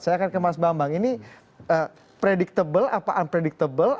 saya akan ke mas bambang ini predictable apa unpredictable